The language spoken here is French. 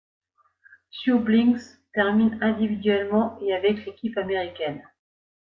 Sue Blinks termine individuellement et avec l'équipe américaine.